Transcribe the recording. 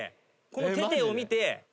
このテテを見て。